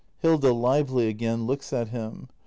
Hilda. [Lively again, looks at him.